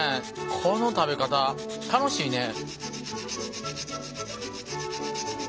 この食べ方楽しいね。